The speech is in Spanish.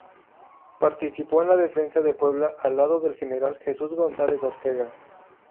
Participó en la defensa de Puebla al lado del general Jesús González Ortega.